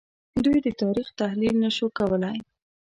دوی د تاریخ تحلیل نه شو کولای